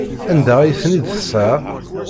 Anda ay ten-id-tesɣa?